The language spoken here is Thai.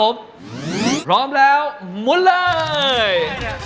รอบรอบแล้วหมุนเลย